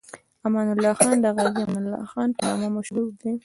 امان الله خان د غازي امان الله خان په نامه مشهور دی.